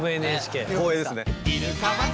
光栄ですね。